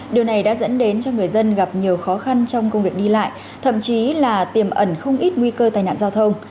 điều này đã dẫn đến cho người dân gặp nhiều khó khăn trong công việc đi lại thậm chí là tiềm ẩn không ít nguy cơ tai nạn giao thông